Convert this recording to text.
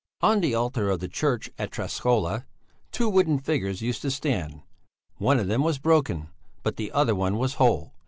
On the altar of the church at Träskola two wooden figures used to stand; one of them was broken, but the other one was whole.